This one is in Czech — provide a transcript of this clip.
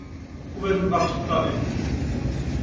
Uvedu dva příklady.